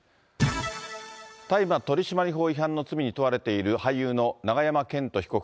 大麻取締法違反の罪に問われている俳優の永山絢斗被告。